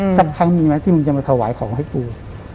สักครั้งมีไหมที่มึงจะมาถวายของให้กู